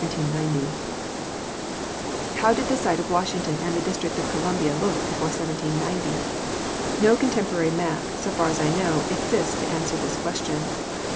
—How did the site of Washing ton and the District of Columbia look beforé 1790? No contem porary map, so far as I know, exists to answer this question.